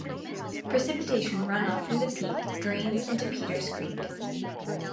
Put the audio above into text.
Precipitation runoff from the peak drains into Peters Creek.